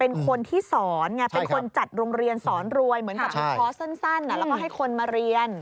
เป็นคนจัดโรงเรียนสอนรวยเหมือนกับทุกคอร์สสั้นแล้วก็ให้คนมาเรียน